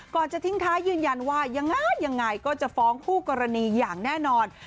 ก่อนจะทิ้งท้ายยืนยันว่ายังไงก็จะฟ้องผู้กรณีอย่างแน่นอน